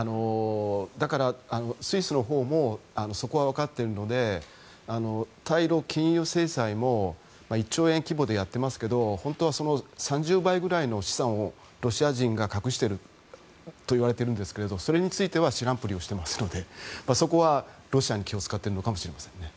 だからスイスのほうもそこは分かっているので対露禁輸制裁も１兆円規模でやってますけど本当はその３０倍くらいの資産をロシア人が隠してるといわれてるんですけれどそれについては知らんぷりをしていますのでそこはロシアに気を使っているのかもしれません。